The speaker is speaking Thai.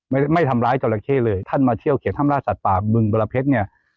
ไม่ไม่ทำร้ายจราเข้เลยท่านมาเที่ยวเขตห้ามล่าสัตว์ป่าบึงบรเพชรเนี่ย